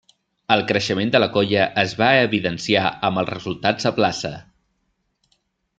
El creixement de la colla es va evidenciar amb els resultats a plaça.